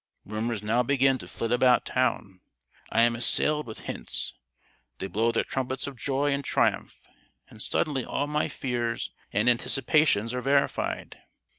"Rumours now begin to flit about town: I am assailed with hints; they blow their trumpets of joy and triumph; and suddenly all my fears and anticipations are verified!